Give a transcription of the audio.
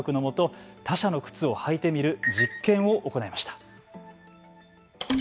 他者の靴を履いてみる実験を行いました。